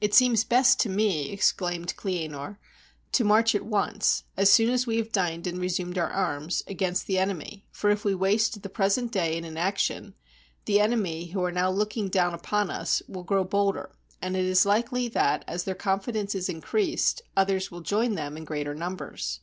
"It seems best to me," exclaimed Cleanor, "to march at once, as soon as we have dined and resumed our arms, against the enemy; for if we waste the present day in inaction, the enemy who are now looking down upon us will grow bolder, and it is likely that, as their confidence is in creased, others will join them in greater numbers."